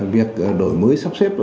việc đổi mới sắp xếp